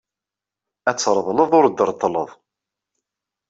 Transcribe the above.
Ad treḍleḍ ur d-treṭṭleḍ!